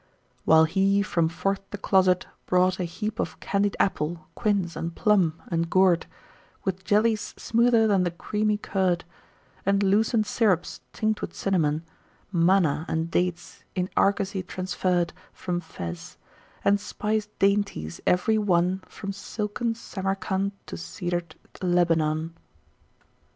"While he, from forth the closet, brought a heap Of candied apple, quince, and plum, and gourd; With jellies smoother than the creamy curd, And lucent syrups tinct with cinnamon; Manna and dates, in argosy transferr'd From Fez; and spiced dainties, every one, From silken Samarcand to cedar'd Lebanon."